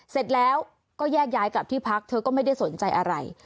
เสร็จแล้วก็แยกย้ายกลับที่พักเธอก็ไม่ได้สนใจอะไร